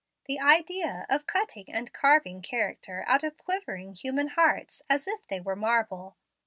The idea of cutting and carving character out of quivering human hearts as if they were marble!